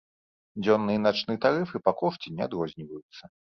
Дзённы і начны тарыфы па кошце не адрозніваюцца.